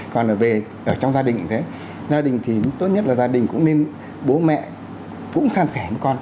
còn ở trong gia đình thì tốt nhất là gia đình cũng nên bố mẹ cũng san sẻ với con